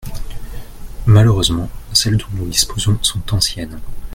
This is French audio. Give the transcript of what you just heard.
Malheureusement celles dont nous disposons sont anciennes.